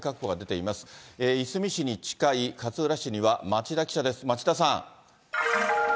いすみ市に近い勝浦市には町田記者です。